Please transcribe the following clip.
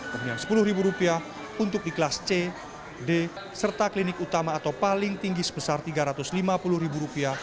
kemudian rp sepuluh untuk di kelas c d serta klinik utama atau paling tinggi sebesar rp tiga ratus lima puluh